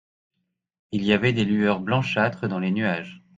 Il y avait des lueurs blanchâtres dans les nuages.